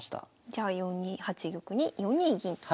じゃあ４八玉に４二銀と。